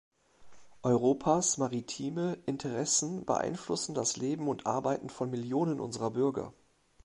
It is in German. Europas maritime Interessen beeinflussen das Leben und Arbeiten von Millionen unserer Bürger.